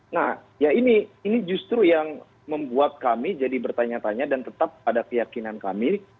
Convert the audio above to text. nah ya ini justru yang membuat kami jadi bertanya tanya dan tetap ada keyakinan kami